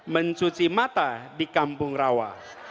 mencuci mata di kampung rawa